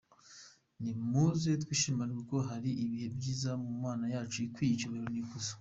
Nimuze twishimane kuko hari ibihe byiza mu Mana yacu ikwiye icyubahiro n’ikuzo.